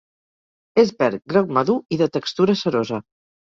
És verd, groc madur i de textura cerosa.